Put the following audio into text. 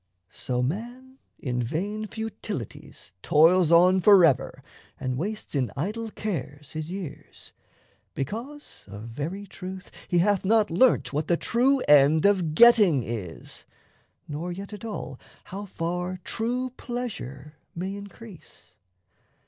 So man in vain futilities toils on Forever and wastes in idle cares his years Because, of very truth, he hath not learnt What the true end of getting is, nor yet At all how far true pleasure may increase.